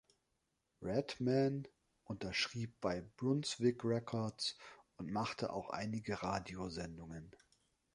Redman unterschrieb bei Brunswick Records und machte auch einige Radiosendungen.